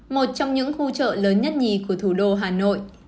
một trong những khu chợ lớn nhất nhì của thủ đô hà nội